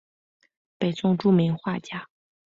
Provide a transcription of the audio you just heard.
北宋著名画家。